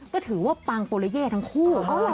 ก็ถือว่าปังโปเลเย่ทั้งคู่